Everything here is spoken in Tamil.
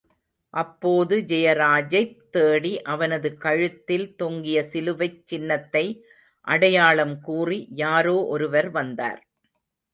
அப்போது ஜெயராஜைத் தேடி, அவனது கழுத்தில் தொங்கிய சிலுவைச் சின்னத்தை அடையாளம் கூறி, யாரோ ஒருவர் வந்தார்.